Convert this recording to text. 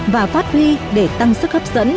và phát huy để tăng sức hấp dẫn